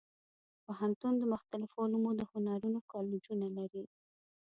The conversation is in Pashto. پوهنتون د مختلفو علومو او هنرونو کالجونه لري.